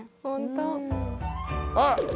あっ。